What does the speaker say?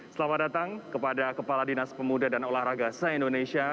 selamat datang kepada kepala dinas pemuda dan olahraga se indonesia